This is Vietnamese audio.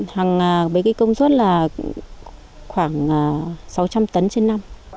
hằng mấy công suất là khoảng sáu trăm linh tấn trên năm